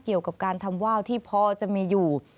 เกี่ยวกับการทำว่าวที่พอจะมีอยู่